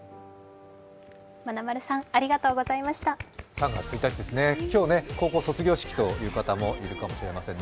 ３月１日ですね、今日高校卒業式という方もいらっしゃるかもしれません。